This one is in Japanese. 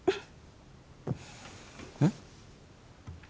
えっ？